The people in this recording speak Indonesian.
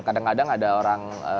kadang kadang ada orang